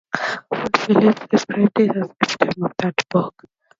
Hood Phillips described it as an "epitome of" that book.